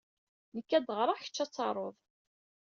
Nekk ad d-ɣreɣ, kečč ad tarud.